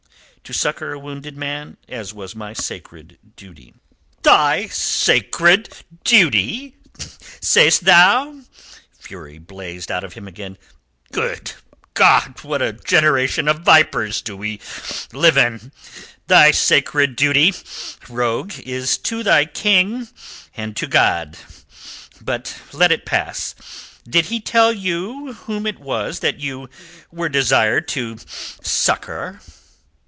"To succour a wounded man, as was my sacred duty." "Thy sacred duty, sayest thou?" Fury blazed out of him again. "Good God! What a generation of vipers do we live in! Thy sacred duty, rogue, is to thy King and to God. But let it pass. Did he tell you whom it was that you were desired to succour?"